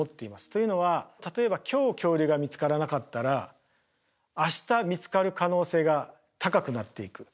というのは例えば今日恐竜が見つからなかったら明日見つかる可能性が高くなっていく。